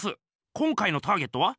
今回のターゲットは？